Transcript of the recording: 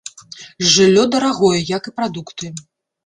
Жыллё дарагое, як і прадукты.